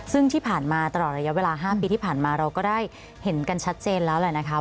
ซึ่งที่ผ่านมาตลอดระยะเวลา๕ปีที่ผ่านมาเราก็ได้เห็นกันชัดเจนแล้วแหละนะคะ